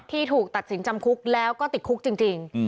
ถูกตัดสินจำคุกแล้วก็ติดคุกจริง